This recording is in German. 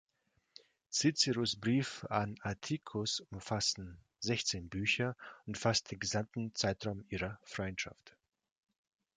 Ciceros Briefe an Atticus umfassen sechzehn Bücher und fast den gesamten Zeitraum ihrer Freundschaft.